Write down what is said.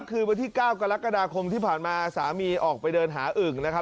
คืนวันที่๙กรกฎาคมที่ผ่านมาสามีออกไปเดินหาอึ่งนะครับ